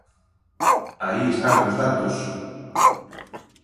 Aí están os datos.